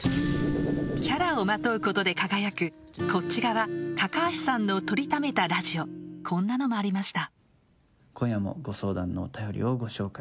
キャラをまとうことで輝くこっち側橋さんの録りためたラジオこんなのもありました